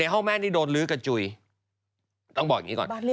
ห้องแม่นี่โดนลื้อกระจุยต้องบอกอย่างนี้ก่อน